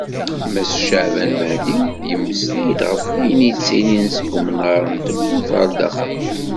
Mass Caɛban Mahdi, yemmeslay-d ɣef wayen yettilin seg umnar n tewwurt ɣer daxel.